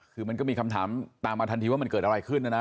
คือมันก็มีคำถามตามมาทันทีว่ามันเกิดอะไรขึ้นนะนะ